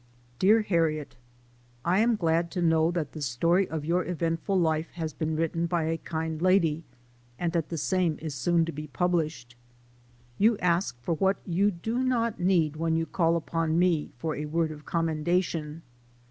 DEAR HARRIET: Iain glad to know that the storv of your eventful life has been written by u PREFACE. I kind lady, and that the same is soon to be published. You ask for what you do not need when you call upon me for a word of commendation.